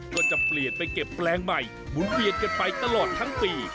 ก็จะเปลี่ยนไปเก็บแปลงใหม่หมุนเวียนกันไปตลอดทั้งปี